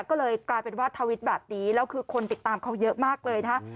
ก็เลยกลายเป็นว่าทวิตแบบนี้แล้วคือคนติดตามเขาเยอะมากเลยนะ